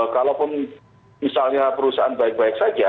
kalaupun misalnya perusahaan baik baik saja